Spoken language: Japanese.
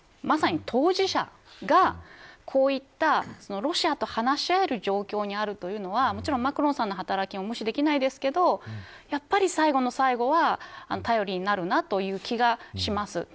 まさに当事者がこういったロシアと話し合える状況にあるというのはもちろんマクロンさんの働きも無視できないですけどやっぱり最後の最後は頼りになるなという気がします。